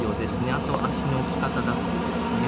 あと足の置き方だったりですね。